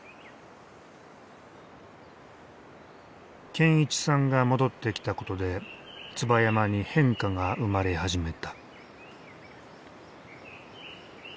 健一さんが戻ってきたことで椿山に変化が生まれ始めた。